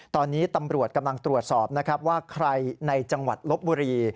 ตอนนี้ตำรวจกำลังตรวจสอบนะครับว่าใครในจังหวัดลบบุรี